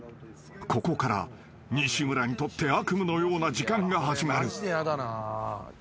［ここから西村にとって悪夢のような時間が始まる］